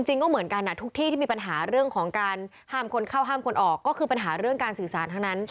จริงก็เหมือนกันทุกที่ที่มีปัญหาเรื่องของการห้ามคนเข้าห้ามคนออกก็คือปัญหาเรื่องการสื่อสารทั้งนั้น